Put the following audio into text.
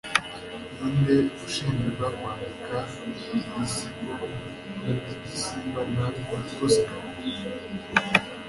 Ninde Ushimirwa Kwandika Igisigo Igisimba na Pussycat